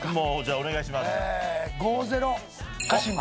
お願いします。